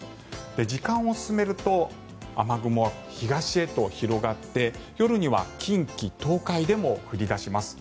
時間を進めると雨雲は東へと広がって夜には近畿・東海でも降り出します。